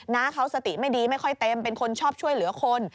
้าเขาสติไม่ดีไม่ค่อยเต็มเป็นคนชอบช่วยเหลือคน